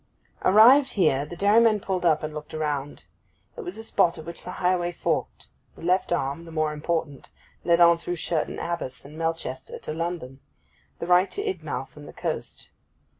Arrived here, the dairyman pulled up and looked around. It was a spot at which the highway forked; the left arm, the more important, led on through Sherton Abbas and Melchester to London; the right to Idmouth and the coast.